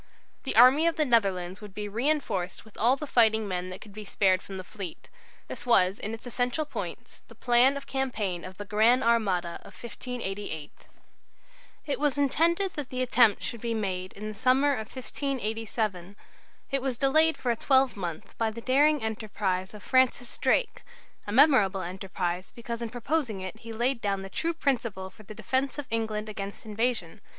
The army of the Netherlands would be reinforced with all the fighting men that could be spared from the fleet. This was in its essential points the plan of campaign of the "Gran' Armada" of 1588. It was intended that the attempt should be made in the summer of 1587. It was delayed for a twelvemonth by a daring enterprise of Francis Drake, a memorable enterprise, because in proposing it he laid down the true principle for the defence of England against invasion.